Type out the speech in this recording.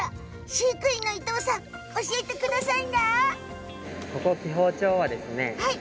飼育員の伊藤さん教えてください。